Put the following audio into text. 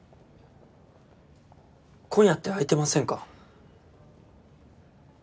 今夜って空いてませんか？